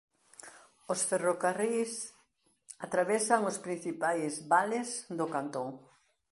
Os ferrocarrís atravesan os principais vales do cantón.